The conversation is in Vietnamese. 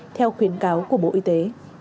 theo khuyến cáo của bộ y tế